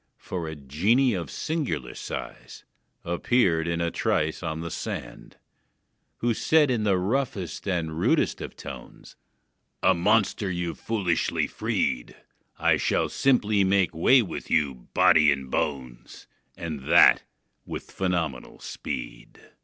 For a genie of singular size Appeared in a trice on the sand, Who said in the roughest and rudest of tones: "A monster you've foolishly freed! I shall simply make way with you, body and bones, And that with phenomenal speed!"